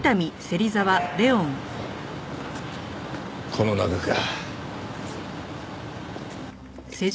この中か。